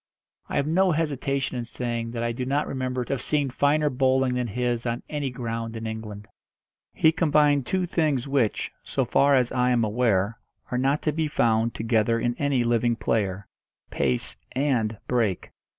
I have no hesitation in saying that I do not remember to have seen finer bowling than his on any ground in England. He combined two things which, so far as I am aware, are not to be found together in any living player pace and break.